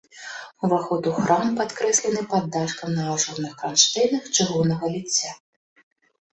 Уваход у храм падкрэслены паддашкам на ажурных кранштэйнах чыгуннага ліцця.